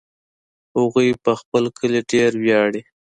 هغوی په خپل کلي ډېر ویاړي